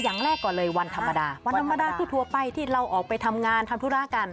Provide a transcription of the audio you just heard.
อย่างแรกก่อนเลยวันธรรมดาวันธรรมดาทั่วไปที่เราออกไปทำงานทำธุระกัน